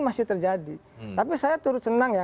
masih terjadi tapi saya turut senang ya